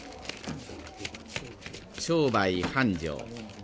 商売繁盛。